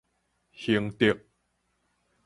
興德